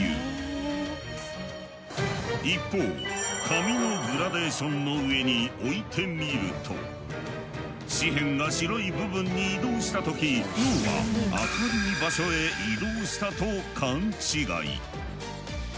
一方紙のグラデーションの上に置いてみると紙片が白い部分に移動した時脳は明るい場所へ移動したと勘違い。